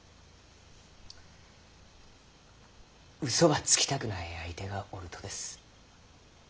うそばつきたくない相手がおるとです。